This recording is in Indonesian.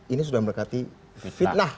ini sudah memberkati fitnah